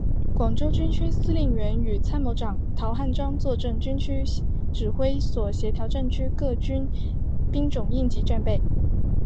广州军区司令员与参谋长陶汉章坐镇军区指挥所协调战区个军兵种应急战备。